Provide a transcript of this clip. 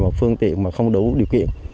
một phương tiện mà không đủ điều kiện